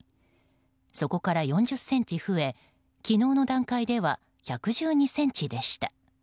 そこから４０ｃｍ増え昨日の段階では１１２ｃｍでした。